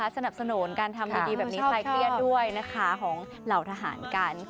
สนับสนุนการทำดีแบบนี้คลายเครียดด้วยนะคะของเหล่าทหารกัน